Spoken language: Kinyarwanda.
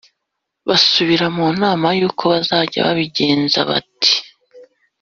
basubira mu nama y'uko bazajya babigenza; bati: